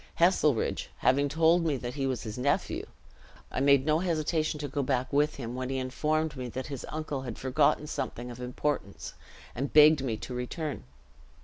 Heselrigge having told me that he was his nephew, I made no hesitation to go back with him, when he informed me that his uncle had forgotten something of importance, and begged me to return.